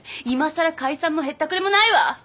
いまさら解散もへったくれもないわ！